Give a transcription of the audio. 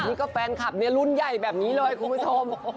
นี่ก็แฟนคลับเนี่ยรุ่นใหญ่แบบนี้เลยคุณผู้ชม